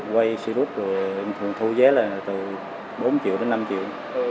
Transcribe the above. quay sh thường thu giá là từ bốn triệu đến năm triệu